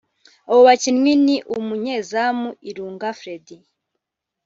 Abo bakinnyi ni umunyezamu Ilunga Freddy